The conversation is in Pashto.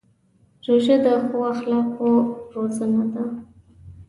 روژه د ښو اخلاقو روزنه ده.